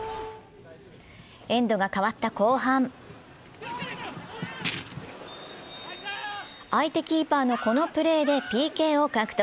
エンドが変わった後半相手キーパーのこのプレーでＰＫを獲得。